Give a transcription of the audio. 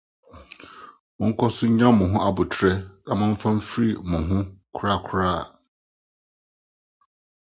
monkɔ so nnya mo ho abotare na momfa mfirifiri mo ho korakora. ”